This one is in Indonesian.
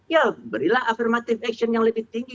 ya berilah afirmative action yang lebih tinggi